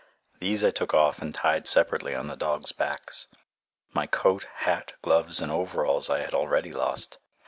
These I took off and tied separately on the dogs' backs. My coat, hat, gloves, and overalls I had already lost.